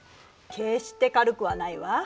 決して軽くはないわ。